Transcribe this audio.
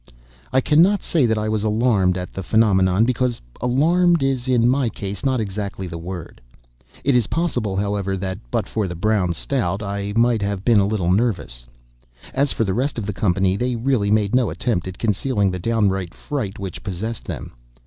I cannot say that I was alarmed at the phenomenon, because "alarmed" is, in my case, not exactly the word. It is possible, however, that, but for the Brown Stout, I might have been a little nervous. As for the rest of the company, they really made no attempt at concealing the downright fright which possessed them.